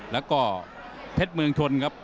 แล้วก็เพชรเมืองชนครับ